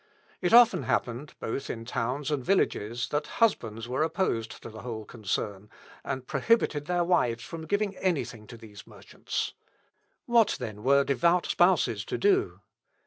It often happened, both in towns and villages, that husbands were opposed to the whole concern, and prohibited their wives from giving any thing to these merchants. What, then, were devout spouses to do?